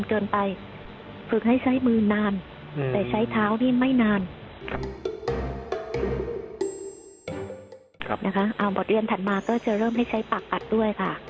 เอาบทเรียนถัดมาก็จะเริ่มให้ใช้ปากปัดด้วยค่ะ